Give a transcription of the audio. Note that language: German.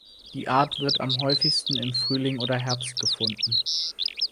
Die Art wird am häufigsten im Frühling oder Herbst gefunden.